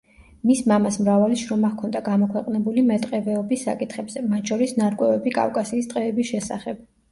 მის მამას მრავალი შრომა ჰქონდა გამოქვეყნებული მეტყევეობის საკითხებზე, მათ შორის „ნარკვევები კავკასიის ტყეების შესახებ“.